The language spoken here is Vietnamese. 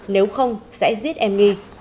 nếu không sẽ giết em nghi